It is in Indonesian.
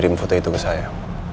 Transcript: game foto itu ke saya